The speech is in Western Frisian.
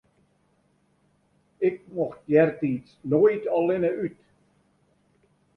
Ik mocht eartiids noait allinne út.